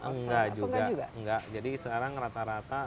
enggak juga enggak jadi sekarang rata rata